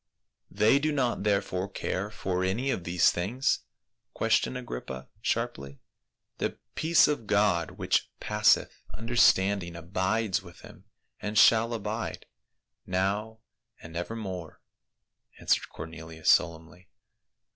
"They do not therefore care for any of these things?" questioned Agrippa sharply. " The peace of God which passeth understanding abides with them, and shall abide, now and evermore," answered Cornelius solemnly.